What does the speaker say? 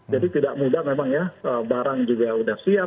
jadi tidak mudah memang ya barang juga sudah siap